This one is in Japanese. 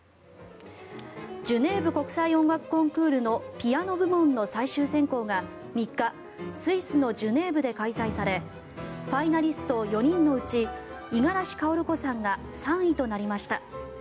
ジュネーブ国際音楽コンクールのピアノ部門の最終選考が、３日スイスのジュネーブで開催されファイナリスト４人のうち五十嵐薫子さんが３位となりました。